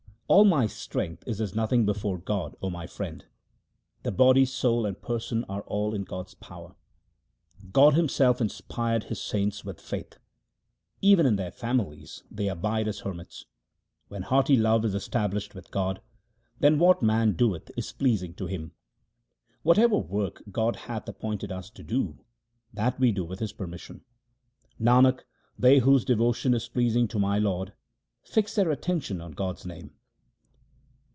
All my strength is as nothing before God, O my friend. The body, soul, and person are all in God's power. God Himself inspired His saints with faith. Even in their families they abide as hermits. When hearty love is established with God, Then what man doeth is pleasing to Him. Whatever work God hath appointed us to do, That we do with His permission. Nanak, they whose devotion is pleasing to my Lord, Fix their attention on God's name.